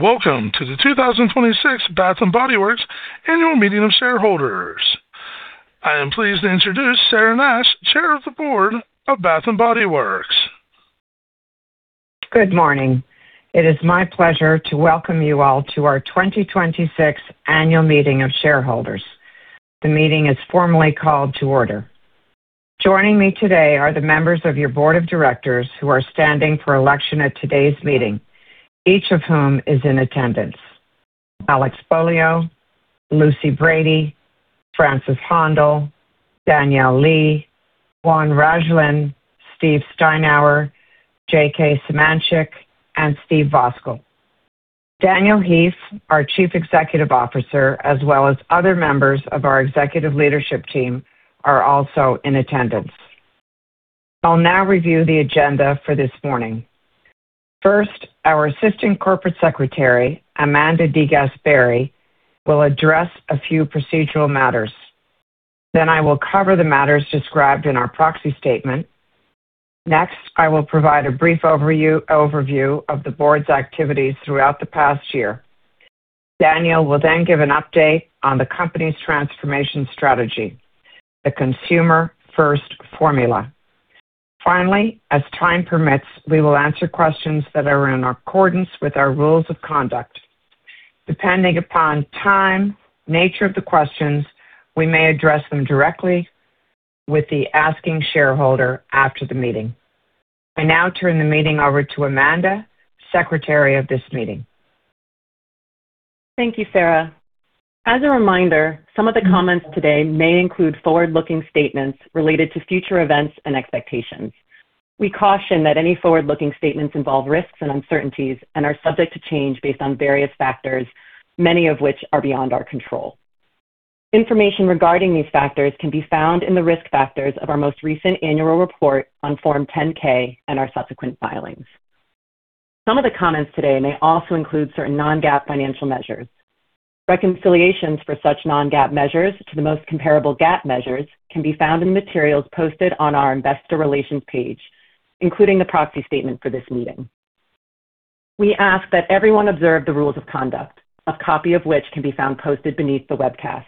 Welcome to the 2026 Bath & Body Works Annual Meeting of Shareholders. I am pleased to introduce Sarah Nash, Chair of the Board of Bath & Body Works. Good morning. It is my pleasure to welcome you all to our 2026 Annual Meeting of Shareholders. The meeting is formally called to order. Joining me today are the members of your board of directors who are standing for election at today's meeting, each of whom is in attendance. Alessandro Foglia, Lucy Brady, Francis Hondal, Danielle Lee, Juan Rajlin, Steve Steinour, J.K. Symancyk, and Steve Voskuil. Daniel Heaf, our Chief Executive Officer, as well as other members of our executive leadership team, are also in attendance. I'll now review the agenda for this morning. First, our Assistant Corporate Secretary, Amanda Digas-Barry, will address a few procedural matters. I will cover the matters described in our proxy statement. I will provide a brief overview of the board's activities throughout the past year. Daniel will give an update on the company's transformation strategy, the Consumer First Formula. As time permits, we will answer questions that are in accordance with our rules of conduct. Depending upon time, nature of the questions, we may address them directly with the asking shareholder after the meeting. I now turn the meeting over to Amanda, Secretary of this meeting. Thank you, Sarah. As a reminder, some of the comments today may include forward-looking statements related to future events and expectations. We caution that any forward-looking statements involve risks and uncertainties and are subject to change based on various factors, many of which are beyond our control. Information regarding these factors can be found in the risk factors of our most recent annual report on Form 10-K and our subsequent filings. Some of the comments today may also include certain non-GAAP financial measures. Reconciliations for such non-GAAP measures to the most comparable GAAP measures can be found in materials posted on our investor relations page, including the proxy statement for this meeting. We ask that everyone observe the rules of conduct, a copy of which can be found posted beneath the webcast.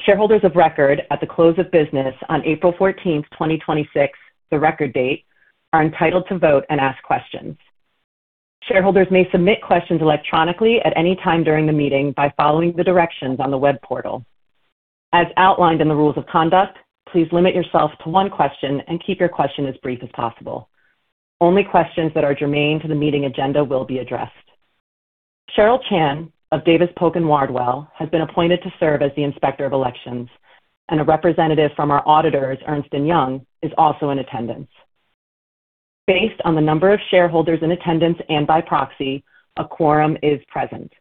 Shareholders of record at the close of business on April 14th, 2026, the record date, are entitled to vote and ask questions. Shareholders may submit questions electronically at any time during the meeting by following the directions on the web portal. As outlined in the rules of conduct, please limit yourself to one question and keep your question as brief as possible. Only questions that are germane to the meeting agenda will be addressed. Cheryl Chan of Davis Polk & Wardwell LLP has been appointed to serve as the Inspector of Elections, and a representative from our auditors, Ernst & Young, is also in attendance. Based on the number of shareholders in attendance and by proxy, a quorum is present.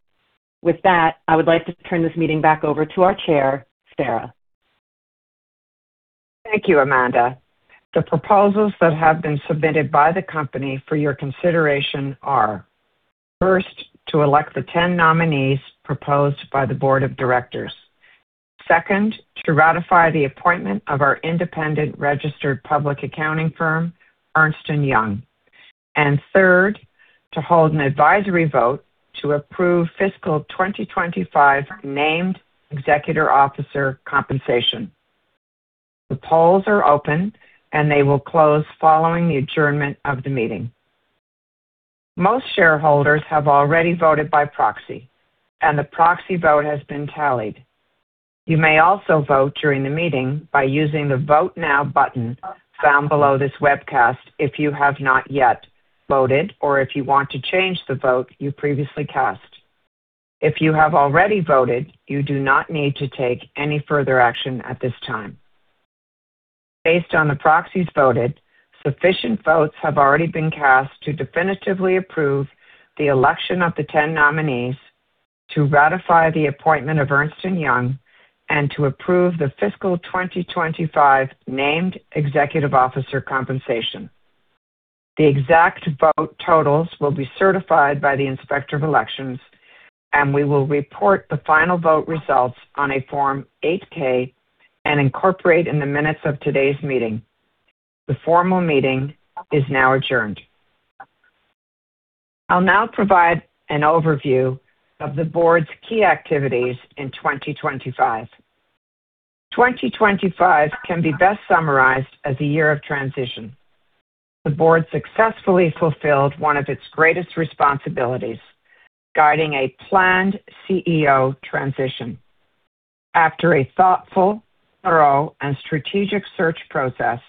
With that, I would like to turn this meeting back over to our Chair, Sarah. Thank you, Amanda. The proposals that have been submitted by the company for your consideration are, first, to elect the 10 nominees proposed by the board of directors. Second, to ratify the appointment of our independent registered public accounting firm, Ernst & Young. Third, to hold an advisory vote to approve fiscal 2025 named executive officer compensation. The polls are open, and they will close following the adjournment of the meeting. Most shareholders have already voted by proxy, and the proxy vote has been tallied. You may also vote during the meeting by using the Vote Now button found below this webcast if you have not yet voted or if you want to change the vote you previously cast. If you have already voted, you do not need to take any further action at this time. Based on the proxies voted, sufficient votes have already been cast to definitively approve the election of the 10 nominees to ratify the appointment of Ernst & Young and to approve the fiscal 2025 named executive officer compensation. The exact vote totals will be certified by the Inspector of Elections, and we will report the final vote results on a Form 8-K and incorporate in the minutes of today's meeting. The formal meeting is now adjourned. I'll now provide an overview of the board's key activities in 2025. 2025 can be best summarized as a year of transition. The board successfully fulfilled one of its greatest responsibilities, guiding a planned CEO transition. After a thoughtful, thorough, and strategic search process,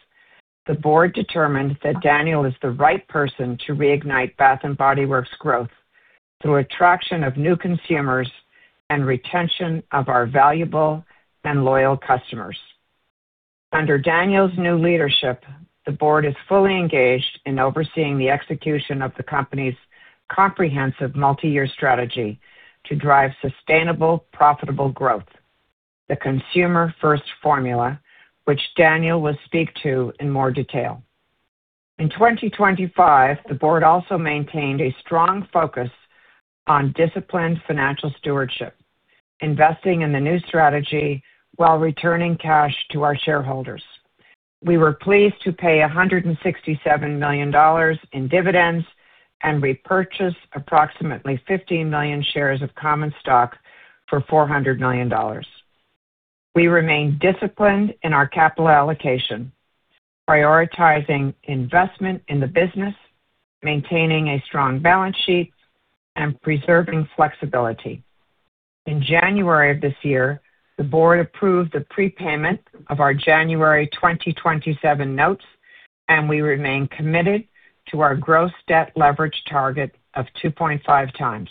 the board determined that Daniel is the right person to reignite Bath & Body Works' growth through attraction of new consumers and retention of our valuable and loyal customers. Under Daniel's new leadership, the board is fully engaged in overseeing the execution of the company's comprehensive multi-year strategy to drive sustainable, profitable growth, the Consumer First Formula, which Daniel will speak to in more detail. In 2025, the board also maintained a strong focus on disciplined financial stewardship, investing in the new strategy while returning cash to our shareholders. We were pleased to pay $167 million in dividends and repurchase approximately 15 million shares of common stock for $400 million. We remain disciplined in our capital allocation, prioritizing investment in the business, maintaining a strong balance sheet and preserving flexibility. In January of this year, the board approved the prepayment of our January 2027 notes, and we remain committed to our gross debt leverage target of 2.5 times.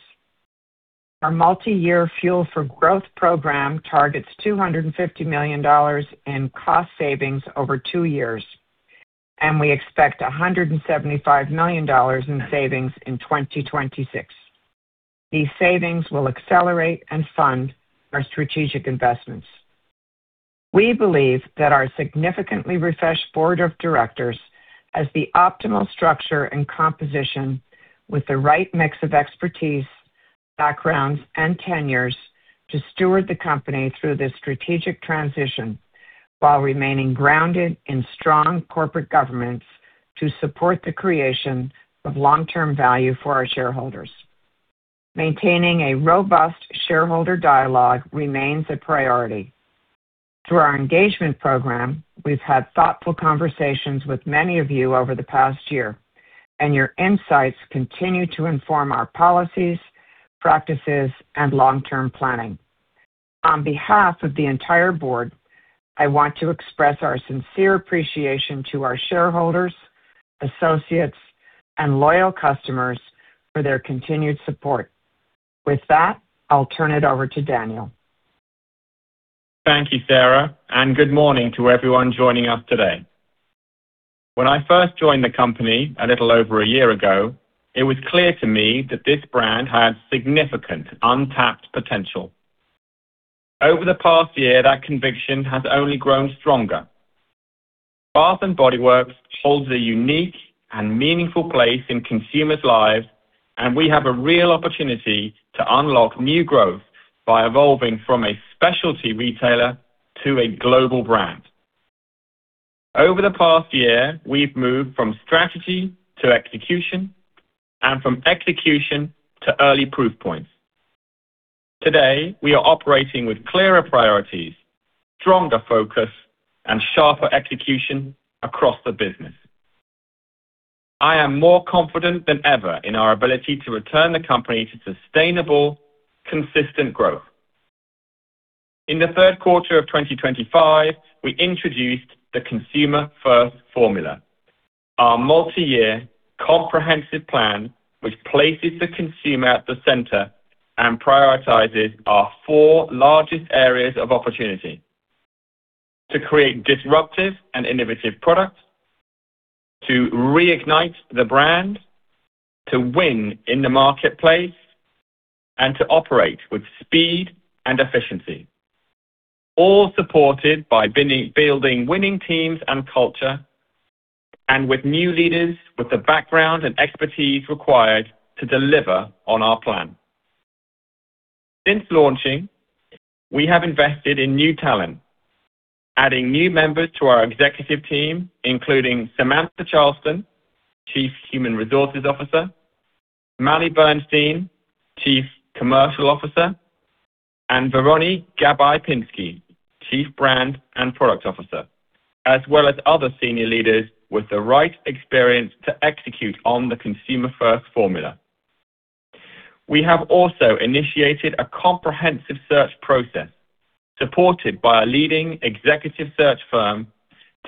Our multi-year Fuel for Growth program targets $250 million in cost savings over two years. We expect $175 million in savings in 2026. These savings will accelerate and fund our strategic investments. We believe that our significantly refreshed board of directors has the optimal structure and composition with the right mix of expertise, backgrounds, and tenures to steward the company through this strategic transition while remaining grounded in strong corporate governance to support the creation of long-term value for our shareholders. Maintaining a robust shareholder dialogue remains a priority. Through our engagement program, we've had thoughtful conversations with many of you over the past year. Your insights continue to inform our policies, practices, and long-term planning. On behalf of the entire board, I want to express our sincere appreciation to our shareholders, associates, and loyal customers for their continued support. With that, I'll turn it over to Daniel. Thank you, Sarah. Good morning to everyone joining us today. When I first joined the company a little over a year ago, it was clear to me that this brand had significant untapped potential. Over the past year, that conviction has only grown stronger. Bath & Body Works holds a unique and meaningful place in consumers' lives. We have a real opportunity to unlock new growth by evolving from a specialty retailer to a global brand. Over the past year, we've moved from strategy to execution. From execution to early proof points. Today, we are operating with clearer priorities, stronger focus, and sharper execution across the business. I am more confident than ever in our ability to return the company to sustainable, consistent growth. In the third quarter of 2025, we introduced the Consumer First Formula, our multi-year comprehensive plan, which places the consumer at the center. Prioritizes our four largest areas of opportunity: to create disruptive and innovative products, to reignite the brand, to win in the marketplace, to operate with speed and efficiency, all supported by building winning teams and culture. With new leaders with the background and expertise required to deliver on our plan. Since launching, we have invested in new talent, adding new members to our executive team, including Samantha Charleston, Chief Human Resources Officer, Maly Bernstein, Chief Commercial Officer, and Véronique Gabai-Pinsky, Chief Brand and Product Officer, as well as other senior leaders with the right experience to execute on the Consumer First Formula. We have also initiated a comprehensive search process supported by a leading executive search firm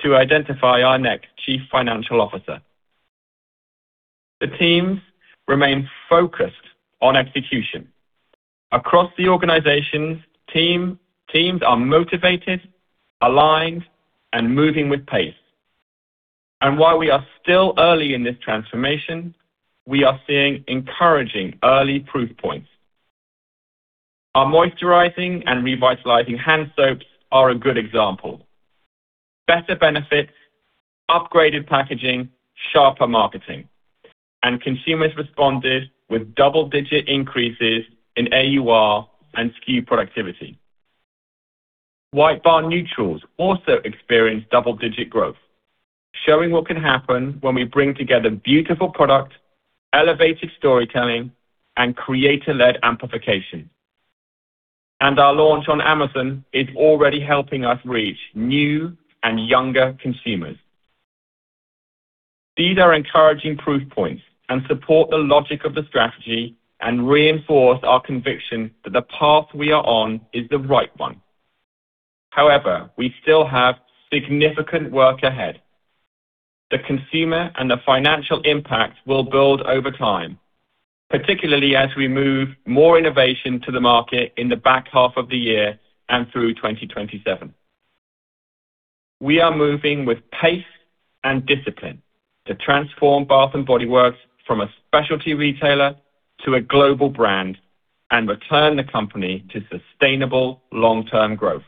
to identify our next chief financial officer. The teams remain focused on execution. Across the organizations, teams are motivated, aligned, and moving with pace. While we are still early in this transformation, we are seeing encouraging early proof points. Our moisturizing and revitalizing hand soaps are a good example. Better benefits, upgraded packaging, sharper marketing. Consumers responded with double-digit increases in AUR and SKU productivity. White Barn Neutrals also experienced double-digit growth, showing what can happen when we bring together beautiful product, elevated storytelling, and creator-led amplification. Our launch on Amazon is already helping us reach new and younger consumers. These are encouraging proof points and support the logic of the strategy. Reinforce our conviction that the path we are on is the right one. We still have significant work ahead. The consumer and the financial impact will build over time, particularly as we move more innovation to the market in the back half of the year and through 2027. We are moving with pace and discipline to transform Bath & Body Works from a specialty retailer to a global brand and return the company to sustainable long-term growth.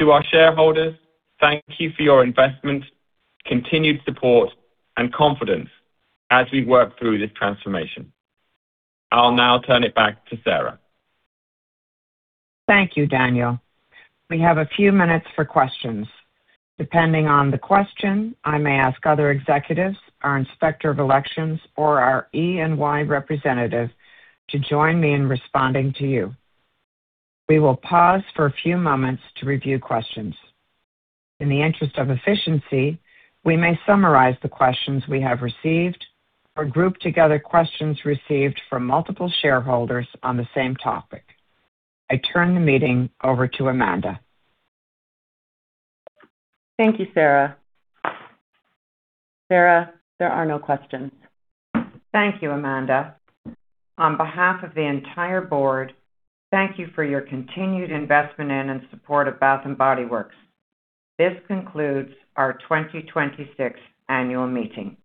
To our shareholders, thank you for your investment, continued support, and confidence as we work through this transformation. I'll now turn it back to Sarah. Thank you, Daniel. We have a few minutes for questions. Depending on the question, I may ask other executives, our inspector of elections, or our Ernst & Young representative to join me in responding to you. We will pause for a few moments to review questions. In the interest of efficiency, we may summarize the questions we have received or group together questions received from multiple shareholders on the same topic. I turn the meeting over to Amanda. Thank you, Sarah. Sarah, there are no questions. Thank you, Amanda. On behalf of the entire board, thank you for your continued investment in and support of Bath & Body Works. This concludes our 2026 annual meeting.